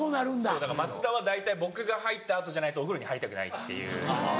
そうだから増田は大体僕が入った後じゃないとお風呂に入りたくないっていう。